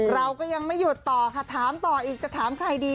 เราก็ยังไม่หยุดต่อค่ะถามต่ออีกจะถามใครดี